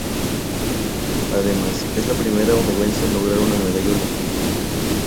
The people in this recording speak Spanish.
Además, es la primera onubense en lograr una medalla olímpica.